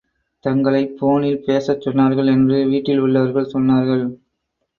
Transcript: தங்களைப் போனில் பேசச் சொன்னார்கள் என்று வீட்டில் உள்ளவர்கள் சொன்னார்கள்.